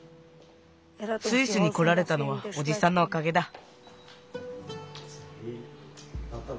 スイスにこられたのはおじさんのおかげだ。